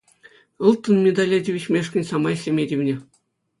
Ылтӑн медале тивӗҫмешкӗн самай ӗҫлеме тивнӗ.